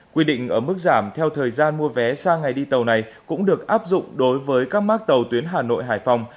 quy định ở mức giảm theo thời gian mua vé sang ngày đi tàu này cũng được áp dụng đối với các mác tàu tuyến hà nội hải phòng